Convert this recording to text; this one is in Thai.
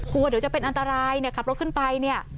กลัวเดี๋ยวจะเป็นอันตรายขับรถขึ้นไป